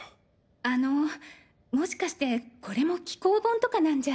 あのもしかしてこれも稀覯本とかなんじゃ。